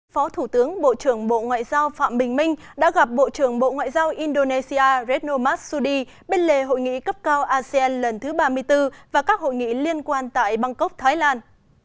phó thủ tướng bộ trưởng bộ ngoại giao phạm bình minh đã gặp bộ trưởng bộ ngoại giao indonesia redno masudi bên lề hội nghị cấp cao asean lần thứ ba mươi bốn và các hội nghị liên quan tại bangkok thái lan